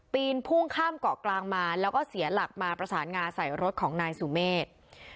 พุ่งข้ามเกาะกลางมาแล้วก็เสียหลักมาประสานงาใส่รถของนายสุเมฆ